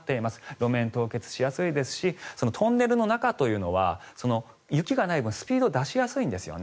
路面凍結しやすいですしトンネルの中というのは雪がない分、スピードを出しやすいんですよね。